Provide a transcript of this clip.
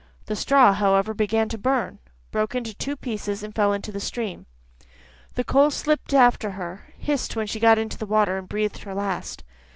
The straw, however, began to burn, broke in two pieces, and fell into the stream. The coal slipped after her, hissed when she got into the water, and breathed her last.